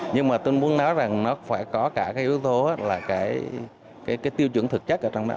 nhưng mà tôi muốn nói rằng nó phải có cả cái yếu tố là cái tiêu chuẩn thực chất ở trong đó